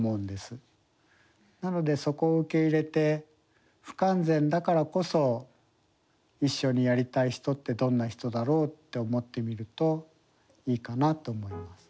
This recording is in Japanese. なのでそこを受け入れて不完全だからこそ一緒にやりたい人ってどんな人だろうって思ってみるといいかなと思います。